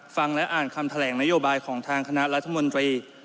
ฟังและอ่านคำแถลงนโยบายของทางคณะรัฐมนตรี